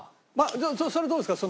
それはどうですか？